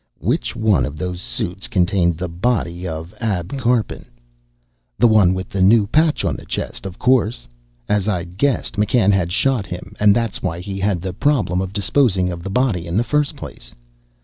Which one of those suits contained the body of Ab Karpin? The one with the new patch on the chest, of course. As I'd guessed, McCann had shot him, and that's why he had the problem of disposing of the body in the first place.